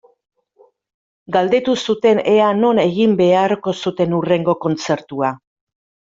Galdetu zuten ea non egin beharko zuten hurrengo kontzertua.